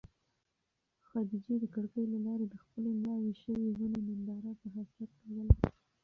خدیجې د کړکۍ له لارې د خپلې مړاوې شوې ونې ننداره په حسرت کوله.